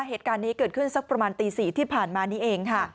เหตุการณ์นี้เกิดขึ้นสักประมาณตี๔ที่ผ่านมานี้เองค่ะ